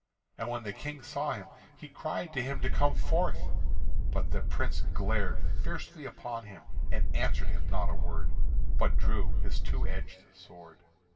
And when the King saw him, he cried to him to come forth; but the Prince glared fiercely upon him and answered him not a word, but drew his two edged sword.